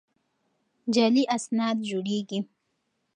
جعلي اسناد جوړېږي.